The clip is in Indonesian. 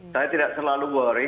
saya tidak selalu worry